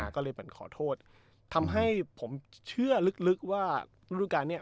ก็เลยเป็นขอโทษทำให้ผมเชื่อลึกว่ารุ่นด้วยการเนี่ย